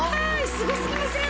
すご過ぎません！？